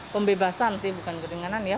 pembebasan sih bukan kedenganan ya